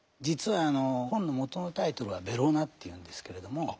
実は本の元のタイトルは「ベローナ」っていうんですけれども。